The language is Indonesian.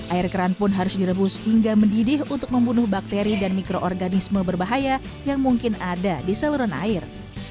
air keran pun harus direbus hingga mendidih untuk membunuh bakteri dan mikroorganisme berbahaya yang mungkin ada di saluran air